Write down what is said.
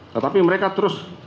tetapi mereka terus